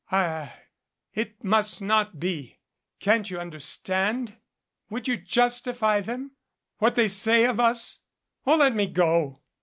I It must not be can't you understand? Would you justify them what they say of us? Oh, let me go.